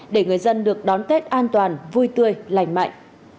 để người dân được đón tết an toàn vui tươi lành mạnh